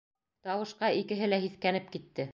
Тауышҡа икеһе лә һиҫкәнеп китте.